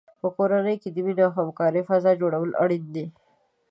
په کورنۍ کې د مینې او همکارۍ فضا جوړول اړین دي.